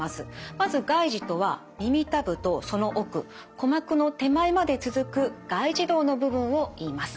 まず外耳とは耳たぶとその奥鼓膜の手前まで続く外耳道の部分をいいます。